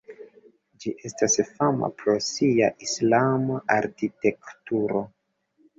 Ĝi estas fama pro sia islama arkitekturo.